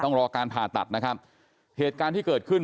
ต้องรอการผ่าตัดนะครับเหตุการณ์ที่เกิดขึ้น